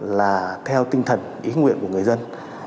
là theo tinh thần ý nguyện của người dân